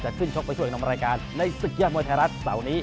จะขึ้นชกไปช่วยออกมารายการในศึกย่างมวยไทยรัฐเต่านี้